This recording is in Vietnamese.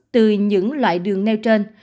từ những loại đường nêu trên